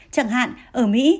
chẳng hạn ở mỹ